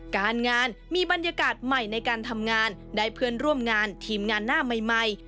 การงานมีบรรยากาศใหม่ในการทำงานได้เพื่อนร่วมงานทีมงานหน้าใหม่